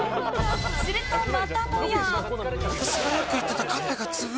するとまたもや。